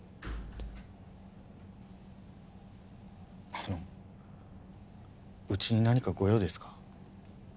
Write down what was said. あのうちに何かご用ですか？